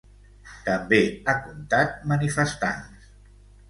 També ha comptat manifestants.